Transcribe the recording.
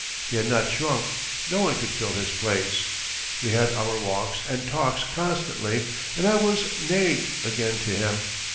He had not shrunk, no one could fill his place. We had our walks and talks constantly and I was "Naig" again to him.